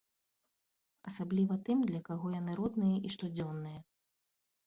Асабліва тым, для каго яны родныя і штодзённыя.